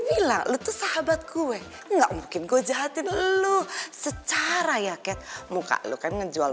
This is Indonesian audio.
bilang lu tuh sahabat gue nggak mungkin gua jahatin lu secara ya cat muka lu kan ngejual